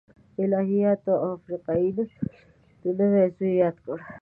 الهیاتو افریقايي نسل د نوح زوی یاد کړ.